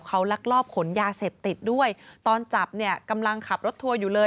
เขาลักลอบขนยาเสพติดด้วยตอนจับเนี่ยกำลังขับรถทัวร์อยู่เลย